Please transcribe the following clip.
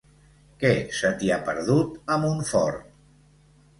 Què se t'hi ha perdut, a Montfort?